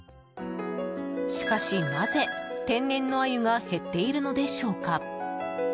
しかしなぜ、天然のアユが減っているのでしょうか？